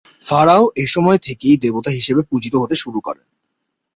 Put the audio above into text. Pharaoh এইসময় থেকেই দেবতা হিসেবে পূজিত হতে শুরু করেন।